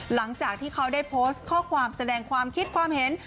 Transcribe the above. หลังจากที่เขาได้โพสต์ข้อความแสดงความคิดความเห็น